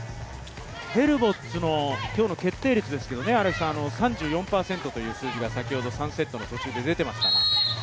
ヘルボッツの今日の決定率ですけど、３４％という数字が３セットの途中で出ていましたが。